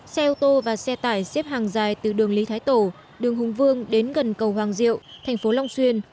xe ô tô và xe tải xếp hàng dài từ đường lý thái tổ đường hùng vương đến gần cầu hoàng diệu thành phố long xuyên